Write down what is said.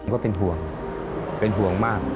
ก็เป็นห่วงเป็นห่วงมาก